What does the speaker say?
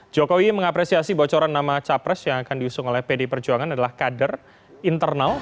jokowi mengapresiasi bocoran nama capres yang akan diusung oleh pdi perjuangan adalah kader internal